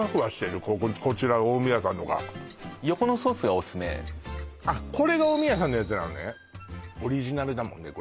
こちら近江屋さんのが横のソースがオススメあっこれが近江屋さんのやつなのねオリジナルだもんね